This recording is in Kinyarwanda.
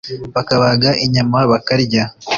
bakabaga inyama bakarya,